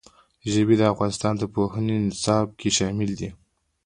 ژبې د افغانستان د پوهنې نصاب کې شامل دي.